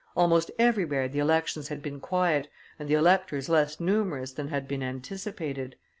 Almost everywhere the elections had been quiet and the electors less numerous than had been anticipated.